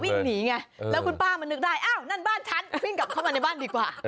วิ่งหนีไงแล้วคุณป้ามันนึกได้อ้าวนั่นบ้านฉันวิ่งกลับเข้ามาในบ้านดีกว่า